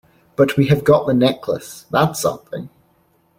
But we have got the necklace — that's something.